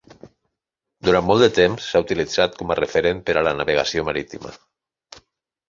Durant molt de temps s'ha utilitzat com a referent per a la navegació marítima.